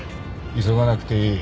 急がなくていい。